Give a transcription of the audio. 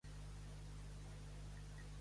Pessigar i tòrcer.